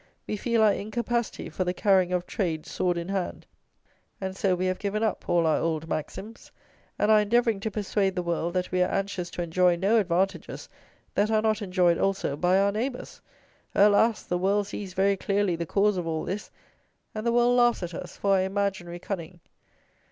We feel our incapacity for the carrying of trade sword in hand: and so we have given up all our old maxims, and are endeavouring to persuade the world that we are anxious to enjoy no advantages that are not enjoyed also by our neighbours. Alas! the world sees very clearly the cause of all this; and the world laughs at us for our imaginary cunning.